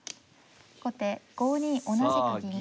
後手５二同じく銀。